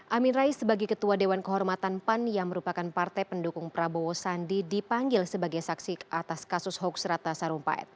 amin rais sebagai ketua dewan kehormatan pan yang merupakan partai pendukung prabowo sandi dipanggil sebagai saksi atas kasus hoax ratna sarumpait